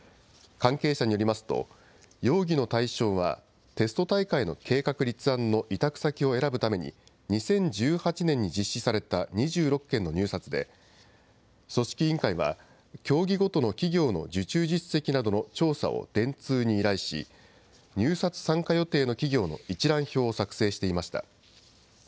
関係者によりますと、容疑の対象は、テスト大会の計画立案の委託先を選ぶために、２０１８年に実施された２６件の入札で、組織委員会は、競技ごとの企業の受注実績などの調査を電通に依頼し、入札参加予定の企業の一覧表を作成していました。